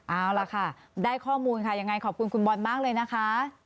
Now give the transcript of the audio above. เอาล่ะค่ะได้ข้อมูลค่ะยังไงขอบคุณคุณบอลมากเลยนะคะ